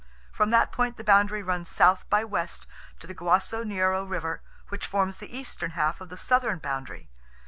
From that point the boundary runs south by west to the Guaso Nyiro River, which forms the eastern half of the southern boundary.